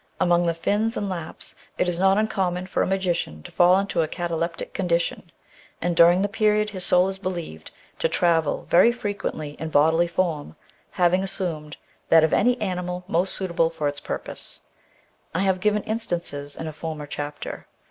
Among the Finns and Lapps it is not uncommon for a magician to fall into a cataleptic condition, and during the period his soul is beUeved to travel very fre quently in bodHy form, having assumed that of any animal most suitable for its purpose. I have given instances in a former chapter.